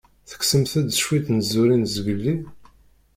Tekksemt-d cwiṭ n tẓuṛin zgelli?